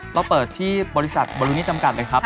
เราเปิดที่บริษัทบริษนิจมกรรภ์เลยครับ